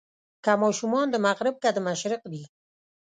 که ماشومان د مغرب که د مشرق دي.